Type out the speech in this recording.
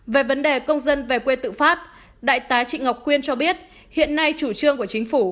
về vấn đề công dân về quê tự phát đại tá trị ngọc quyên cho biết hiện nay chủ trương của chính phủ